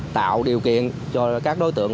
tạo điều kiện cho các đối tượng